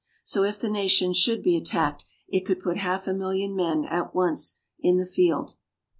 So if the nation should be attacked, it could put half a million men at once in the field.